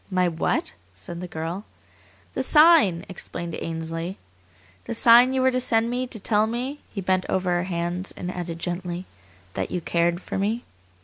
"My what?" said the girl. "The sign!" explained Ainsley. "The sign you were to send me to tell me" he bent over her hands and added gently "that you cared for me."